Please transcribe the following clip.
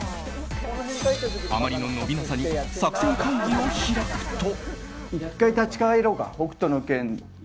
あまりの伸びなさに作戦会議を開くと。